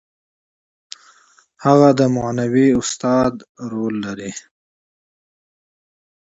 هغه د معنوي استاد رول لري.